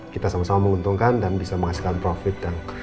kita sama sama menguntungkan dan bisa menghasilkan profit